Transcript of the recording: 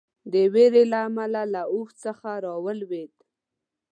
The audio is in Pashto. د وېرې له امله له اوښ څخه راولېده.